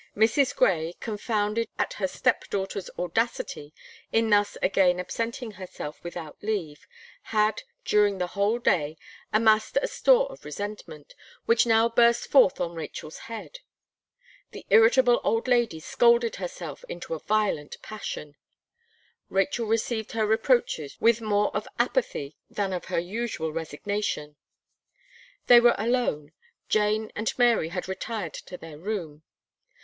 Mrs. Gray, confounded at her step daughter's audacity in thus again absenting herself without leave, had, during the whole day, amassed a store of resentment, which now burst forth on Rachel's head. The irritable old lady scolded herself into a violent passion. Rachel received her reproaches with more of apathy than of her usual resignation. They were alone; Jane and Mary had retired to their room.